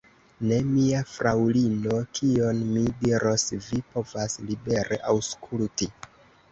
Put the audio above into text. Ne, mia fraŭlino, kion mi diros, vi povas libere aŭskulti.